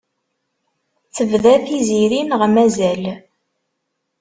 Tebda Tiziri neɣ mazal?